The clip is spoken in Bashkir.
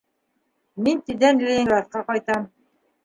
Мин тиҙҙән Ленинградҡа ҡайтам.